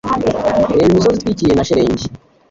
Reba imisozi itwikiriwe na shelegi.